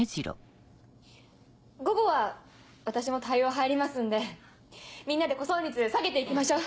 午後は私も対応入りますんでみんなで呼損率下げて行きましょう。